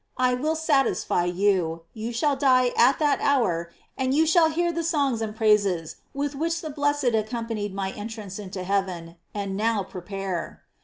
"I will satisfy you; you shall die at that hour, and you shall hear the songs and praises with which the blessed accompanied my entrance into heaven; and now prepare."